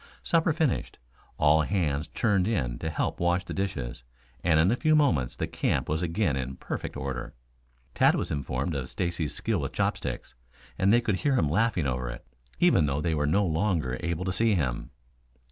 Supper finished, all hands turned in to help wash the dishes, and in a few moments the camp was again in perfect order. Tad was informed of Stacy's skill with chopsticks, and they could hear him laughing over it, even though they were no longer able to see him.